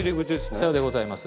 さようでございます。